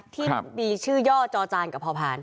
ที่มีชื่อย่อจอจานกับพอผ่าน